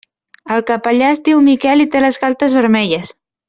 El capellà es diu Miquel i té les galtes vermelles.